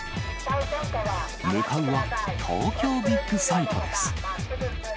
向かうは東京ビッグサイトです。